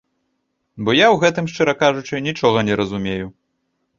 Бо я ў гэтым, шчыра кажучы, нічога не разумею.